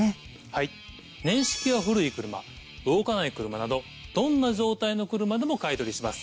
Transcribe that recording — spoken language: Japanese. はい年式が古い車動かない車などどんな状態の車でも買い取りします。